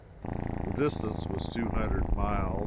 The distance was two hundred miles.